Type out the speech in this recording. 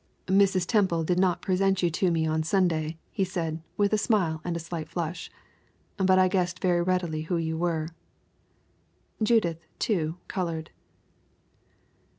"Mrs. Temple did not present me to you on Sunday," he said, with a smile and a slight flush; "but I guessed very readily who you were." Judith, too, colored.